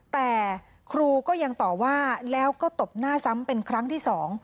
แต่ครูก็ยังต่อว่าแล้วก็ตบหน้าซ้ำเป็นครั้งที่๒